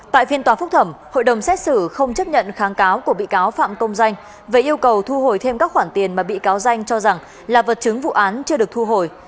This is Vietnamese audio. tại phiên tòa phúc thẩm hội đồng xét xử không chấp nhận kháng cáo của bị cáo phạm công danh về yêu cầu thu hồi thêm các khoản tiền mà bị cáo danh cho rằng là vật chứng vụ án chưa được thu hồi